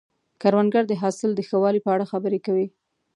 کروندګر د حاصل د ښه والي په اړه خبرې کوي